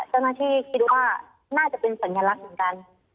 เจ้าหน้าที่คิดว่าน่าจะเป็นสัญลักษณ์เหมือนกัน